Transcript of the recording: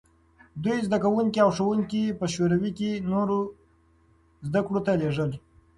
دوی زدکوونکي او ښوونکي په شوروي کې نورو زدکړو ته لېږل.